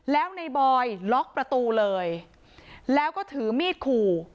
แล้วในบอยล็อกประตูเลยแล้วก็ถือมีดขู่